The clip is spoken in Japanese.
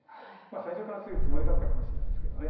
最初からそういうつもりだったかもしれないですけど。